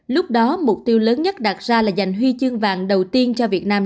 lúc đó mục tiêu lớn nhất đạt ra là giành huy chương vàng đầu tiên cho việt nam